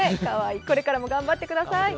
これからも頑張ってください。